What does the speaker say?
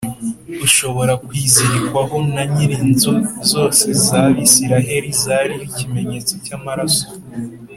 Ushobora kwizirikwaho na nyineInzu zose z'Abisiraheli zariho ikimenyetso cy'amaraso